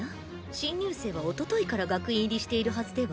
新入生はおとといから学院入りしてるはずでは？